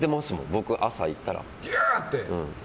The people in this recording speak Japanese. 僕、朝行ったら。